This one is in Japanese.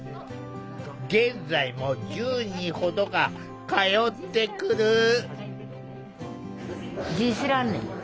現在も１０人ほどが通ってくる。